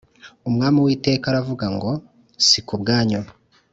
Umwami uwiteka aravuga ngo si ku bwanyu